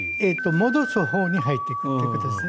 戻すほうに入っていくという形ですね。